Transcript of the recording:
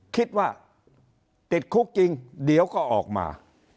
คิดว่าติดคุกจริงเดี๋ยวก็ออกมา